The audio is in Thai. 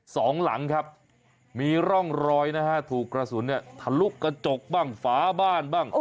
สองหลังครับมีร่องรอยนะฮะถูกกระสุนเนี่ยทะลุกระจกบ้างฝาบ้านบ้าง